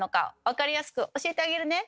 分かりやすく教えてあげるね！